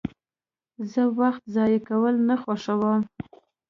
زه وخت ضایع کول نه خوښوم.